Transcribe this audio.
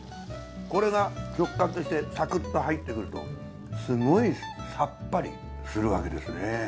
これが食感としてサクッと入ってくるとすごいさっぱりするわけですね。